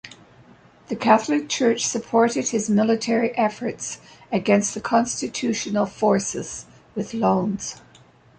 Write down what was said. The Catholic Church supported his military efforts, against the constitutional forces, with loans.